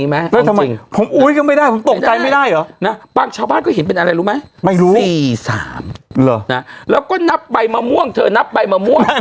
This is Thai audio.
ยังไงไม่ได้ไม่ได้เห็นอะไรรู้ไหม๔๓แล้วก็นับไปมาม่วงเธอนับไปมาม่วง